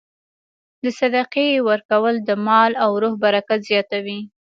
د صدقې ورکول د مال او روح برکت زیاتوي.